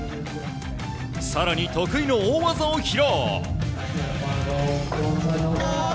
更に得意の大技を披露。